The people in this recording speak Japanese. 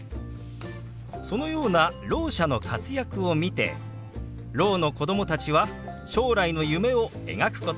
そのようなろう者の活躍を見てろうの子供たちは将来の夢を描くことができます。